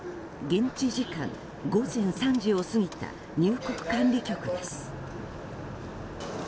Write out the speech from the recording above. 現地時間午前３時を過ぎた入国管理局です。